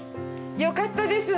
よかったです。